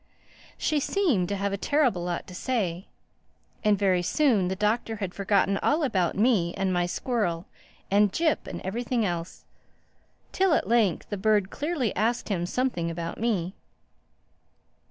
She seemed to have a terrible lot to say. And very soon the Doctor had forgotten all about me and my squirrel and Jip and everything else; till at length the bird clearly asked him something about me.